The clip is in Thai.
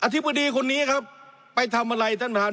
ธิบดีคนนี้ครับไปทำอะไรท่านประธาน